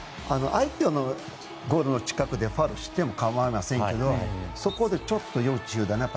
相手はゴールの近くでファウルしても構いませんけどそこは要注意ですね。